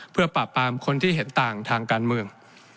เพื่อปราบปรามคนที่เห็นต่างทางการเมือง